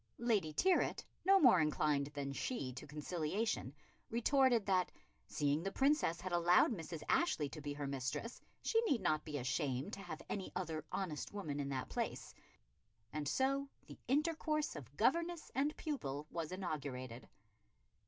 Lady Tyrwhitt, no more inclined than she to conciliation, retorted that, seeing the Princess had allowed Mrs. Ashley to be her mistress, she need not be ashamed to have any other honest woman in that place, and so the intercourse of governess and pupil was inaugurated.